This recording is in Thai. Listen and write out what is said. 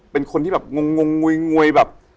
เป็นคนที่แบบงงงวยแบบ